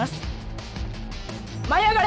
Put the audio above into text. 舞い上がれ！